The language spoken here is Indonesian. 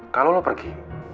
kalau lu pergi